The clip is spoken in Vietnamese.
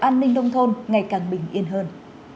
an ninh đông thôn ngày càng bình yên hơn